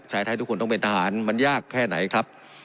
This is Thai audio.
ชายไทยทุกคนต้องเป็นทหารมันยากแค่ไหนครับ